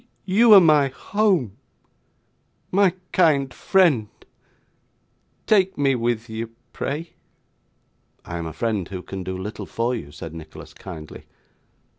You are my home my kind friend take me with you, pray.' 'I am a friend who can do little for you,' said Nicholas, kindly.